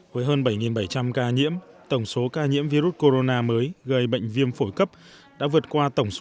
với hơn bảy bảy trăm linh ca nhiễm tổng số ca nhiễm virus corona mới gây bệnh viêm phổi cấp đã vượt qua tổng số